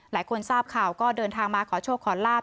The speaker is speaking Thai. หลายคนทราบข่าวก็เดินทางมาขอโชคขอลาบ